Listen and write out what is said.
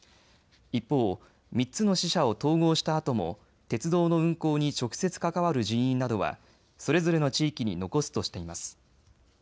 一方、３つの支社を統合したあとも鉄道の運行に直接関わる人員などはそれぞれの地域に残すとしています。